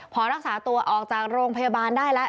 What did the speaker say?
พอรักษาตัวออกจากโรงพยาบาลได้แล้ว